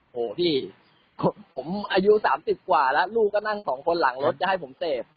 โหพี่ผมอายุ๓๐กว่าแล้วลูกก็นั่งสองคนหลังรถจะให้ผมเสพ